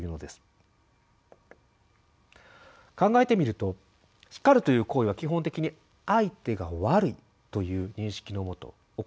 考えてみると叱るという行為は基本的に「相手が悪い」という認識のもと行われています。